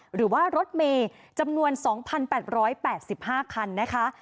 หรือว่ารถเมย์จำนวน๒๘๘๕คันนะคะ